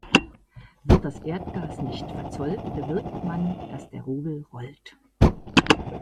Wird das Erdgas nicht verzollt, bewirkt man, dass der Rubel rollt.